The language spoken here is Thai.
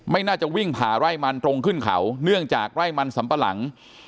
ไม่น่าจะวิ่งผ่าไร่มันตรงขึ้นเขาเนื่องจากไร่มันสำปะหลัง